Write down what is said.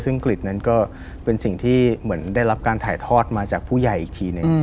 ซึ่งกลิ่นนั้นก็เป็นสิ่งที่เหมือนได้รับการถ่ายทอดมาจากผู้ใหญ่อีกทีหนึ่ง